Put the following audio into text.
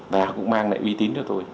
và cũng mang lại uy tín cho tôi